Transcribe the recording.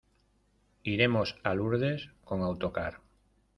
Iremos a Lourdes con autocar.